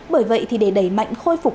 bởi vậy thì để đẩy mạnh khôi phục